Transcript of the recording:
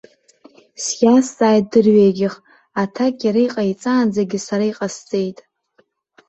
Сиазҵааит дырҩегьых, аҭак иара иҟаиҵаанӡагьы сара иҟасҵеит.